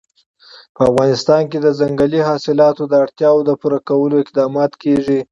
په افغانستان کې د ځنګلي حاصلاتو د اړتیاوو پوره کولو اقدامات کېږي.